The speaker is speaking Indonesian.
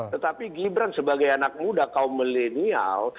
tetapi gibran sebagai anak muda kaum milenial